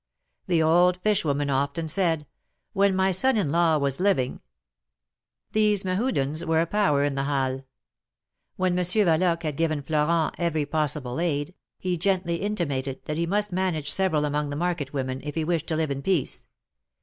^' The old fish woman often said when my son in law was living.^' These Mehudens were a power in the Halles. When Monsieur Yaloque had given Florent every possible aid, lie gently intimated that he must manage several among the market women, if he wished to live in peace.